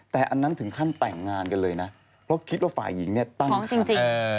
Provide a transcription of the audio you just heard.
แต่อันนั้นถึงขั้นแต่งงานกันเลยนะเพราะคิดว่าฝ่ายหญิงเนี่ยตั้งท้องจริง